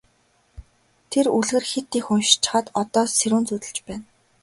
Тэр үлгэр хэт их уншчихаад одоо сэрүүн зүүдэлж байна.